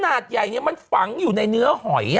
ขนาดใหญ่มันฝังอยู่ในเนื้อหอย